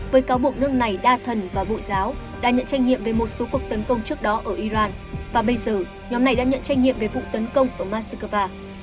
và bây giờ nhóm này đã nhận trách nhiệm về vụ tấn công ở moskva